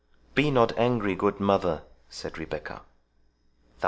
"Be not angry, good mother," said Rebecca.